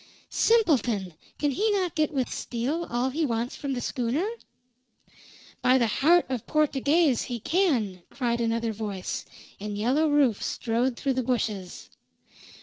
"Simpleton! Can he not get with steel all he wants from the schooner?" "By the heart of Portuguez, he can!" cried another voice, and Yellow Rufe strode through the bushes.